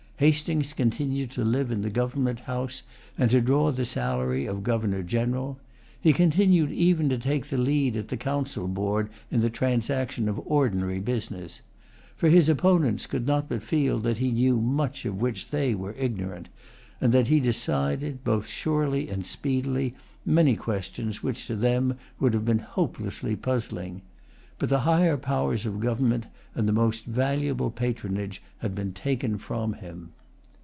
Hastings continued to live in the Government House, and to draw the salary of Governor General. He continued even to take the lead at the council board in the transaction of ordinary business; for his opponents could not but feel that he knew much of which they were ignorant, and that he decided, both surely and speedily, many questions which to them would have been hopelessly puzzling. But the higher powers of government and the most valuable patronage had been taken from him.